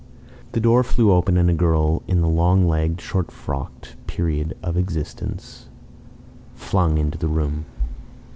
The door flew open, and a girl in the long legged, short frocked period of existence, flung into the room.